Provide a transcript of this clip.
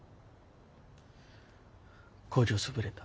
工場潰れた。